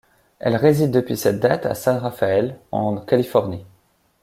Elle réside depuis cette date à San Rafael, en Californie.